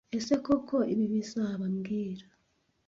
Ese koko ibi bizaba mbwira